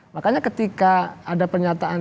makanya ketika ada pernyataan